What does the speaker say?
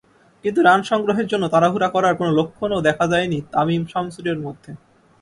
কিন্তু রান সংগ্রহের জন্য তাড়াহুড়া করার কোনো লক্ষণও দেখা যায়নি তামিম-শামসুরের মধ্যে।